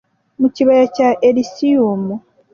mu kibaya cya Elysiyumu?